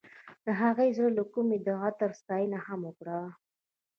هغې د زړه له کومې د عطر ستاینه هم وکړه.